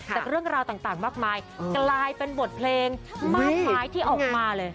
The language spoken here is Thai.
จากเรื่องราวต่างมากมายกลายเป็นบทเพลงมากมายที่ออกมาเลย